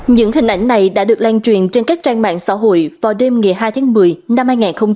những hình ảnh này đã được lan truyền trên các trang mạng xã hội vào đêm ngày hai tháng một mươi năm hai nghìn hai mươi ba